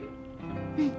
うん。